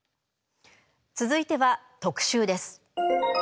続いては特集です。